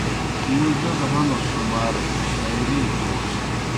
موْ جودوْ ہنُس سُمار شاعری تھوس۔